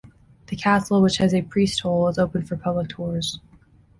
The castle, which has a priest hole, is open for public tours.